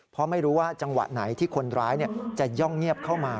เพราะไม่รู้ว่าจังหวะไหนที่คนร้ายจะย่องเงียบเข้ามา